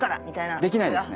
できないですね。